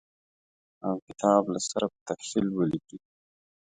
او کتاب له سره په تفصیل ولیکي.